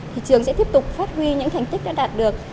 thì trường sẽ tiếp tục phát huy những thành tích đã đạt được